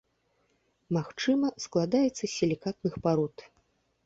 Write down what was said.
Магчыма, складаецца з сілікатных парод.